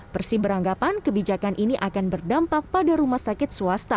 persi beranggapan kebijakan ini akan berdampak pada rumah sakit swasta